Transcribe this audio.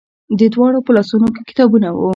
د دواړو په لاسونو کې کتابونه وو.